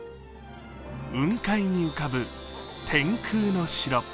雲海に浮かぶ天空の城。